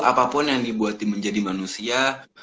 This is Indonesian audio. apapun yang dibuat menjadi manusia